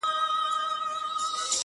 • د سترگو اوښکي دي خوړلي گراني .